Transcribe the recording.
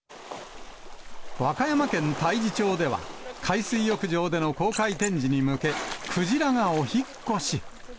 和歌山県太地町では、海水浴場での公開展示に向け、くじらがお引っ越し。